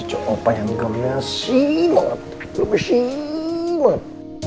oke coba yang mahasiswa mesin